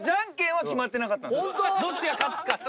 どっちが勝つかって。